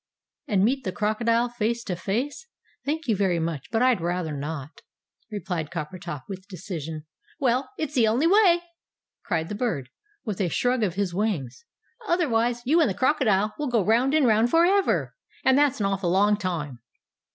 "And meet the crocodile face to face! Thank you very much, but I'd rather not!" replied Coppertop with decision. "Well, it's the only way!" cried the Bird, with a shrug of his wings, "otherwise you and the crocodile will go round and round for ever! And that's an awful long time."